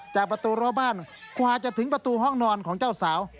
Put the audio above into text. จากประตูรั้วบ้านกว่าจะถึงประตูห้องนอนของเจ้าสาว